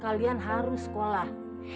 kalian harus sekolah